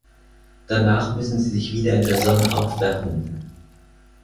Danach müssen sie sich wieder in der Sonne aufwärmen.